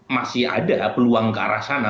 masih ada peluang ke arah sana